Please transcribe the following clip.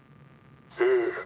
ええ。